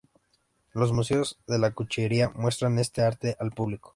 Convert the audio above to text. Los museos de la cuchillería muestran este arte al público.